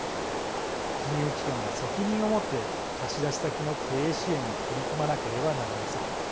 金融機関が責任をもって貸出先の経営支援に取り組まなければなりません。